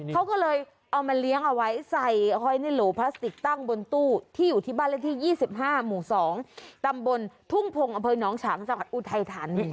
เขาก็เลยเอามาเลี้ยงเอาไว้ใส่หอยในโหลพลาสติกตั้งบนตู้ที่อยู่ที่บ้านเลขที่๒๕หมู่๒ตำบลทุ่งพงศ์อำเภอน้องฉางจังหวัดอุทัยธานี